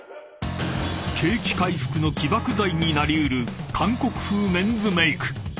［景気回復の起爆剤になり得る韓国風メンズメイク］